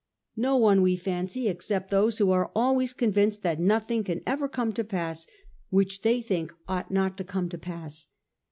No one, we fancy, except those who are always con vinced that nothing can ever come to pass which they think ought not to come to pass.